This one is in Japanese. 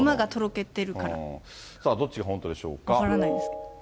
さあ、どっちが本当でしょう分からないです。